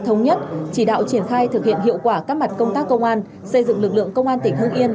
thống nhất chỉ đạo triển khai thực hiện hiệu quả các mặt công tác công an xây dựng lực lượng công an tỉnh hưng yên